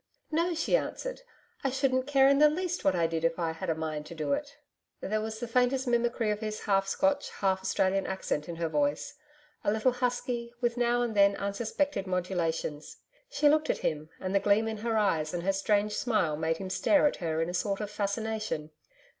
'No,' she answered. 'I shouldn't care in the least what I did if I had a mind to do it.' There was the faintest mimicry of his half Scotch, half Australian accent in her voice a little husky, with now and then unsuspected modulations. She looked at him and the gleam in her eyes and her strange smile made him stare at her in a sort of fascination.